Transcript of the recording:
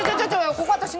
ここ私の！